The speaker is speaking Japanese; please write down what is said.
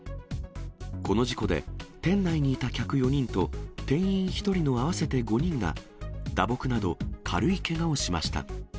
この事故で、店内にいた客４人と、店員１人の合わせて５人が、打撲など、軽いけがをしました。